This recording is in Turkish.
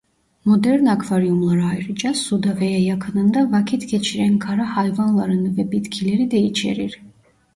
Modern akvaryumlar ayrıca suda veya yakınında vakit geçiren kara hayvanlarını ve bitkileri de içerir.